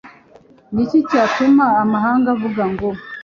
Ni iki cyatuma amahanga avuga ngo